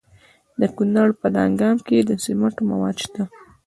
د کونړ په دانګام کې د سمنټو مواد شته.